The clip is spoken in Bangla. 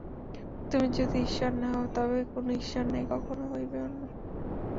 তুমি যদি ঈশ্বর না হও, তবে কোন ঈশ্বর নাই, কখনও হইবেনও না।